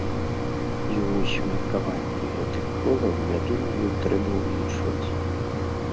І вось меркаванне гэтых колаў, я думаю, трэба ўлічваць.